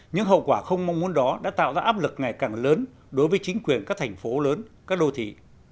những hậu quả không mong muốn đó đã tạo ra áp lực ngày càng lớn đối với chính quyền các thành phố lớn các đô thị